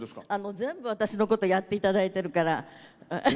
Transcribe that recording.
全部、私のことやっていただいてるから。